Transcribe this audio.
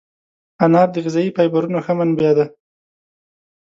انار د غذایي فایبرونو ښه منبع ده.